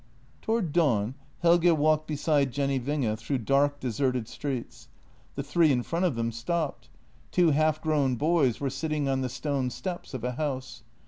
Toward dawn Helge walked beside Jenny Winge through dark, deserted streets. The three in front of them stopped; JENNY 33 two half grown boys were sitting on the stone steps of a house.